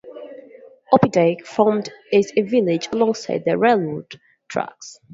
Opdyke formed as a village alongside the railroad tracks.